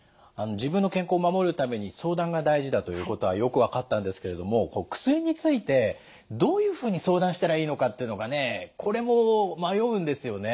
自分の健康を守るために相談が大事だということはよく分かったんですけれども薬についてどういうふうに相談したらいいのかっていうのがねこれも迷うんですよね。